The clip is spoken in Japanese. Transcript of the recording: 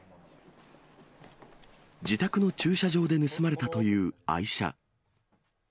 自宅の駐車場で盗まれたという愛車。